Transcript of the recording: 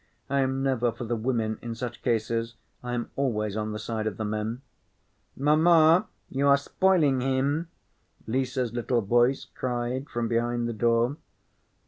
I am never for the women in such cases. I am always on the side of the men." "Mamma, you are spoiling him," Lise's little voice cried from behind the door.